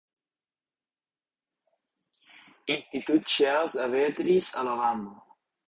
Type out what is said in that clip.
Institut Shields a Beatrice, Alabama.